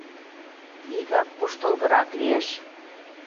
— Вигак куштылгырак лиеш.